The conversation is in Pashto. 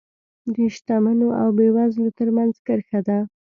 د شتمنو او بېوزلو ترمنځ کرښه ده.